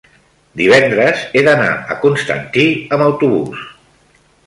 divendres he d'anar a Constantí amb autobús.